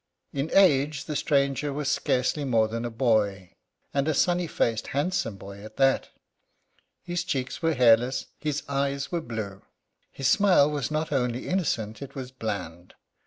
In age the stranger was scarcely more than a boy, and a sunny faced, handsome boy at that. His cheeks were hairless, his eyes were blue. His smile was not only innocent, it was bland.